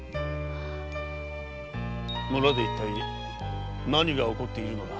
⁉村で一体何が起こっているのだ。